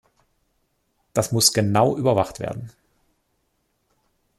Das muss genau überwacht werden.